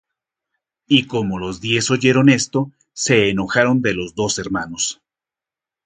Y como los diez oyeron esto, se enojaron de los dos hermanos.